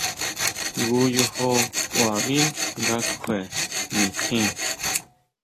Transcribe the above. Jngu yojo ʼkuaví nga kjue nitjín.